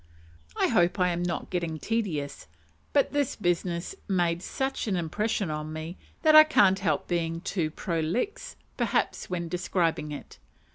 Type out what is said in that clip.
I hope I am not getting tedious; but this business made such an impression on me, that I can't help being too prolix, perhaps, when describing it.